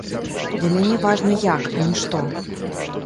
Для мяне важна як, а не што.